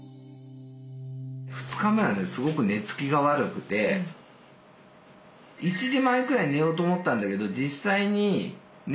２日目はねすごく寝つきが悪くて１時前くらいに寝ようと思ったんだけど実際に寝つけたのが１時半くらい。